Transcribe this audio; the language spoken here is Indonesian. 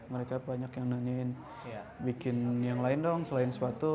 mereka banyak yang nanyain bikin yang lain dong selain sepatu